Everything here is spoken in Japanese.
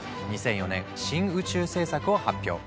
２００４年「新宇宙政策」を発表。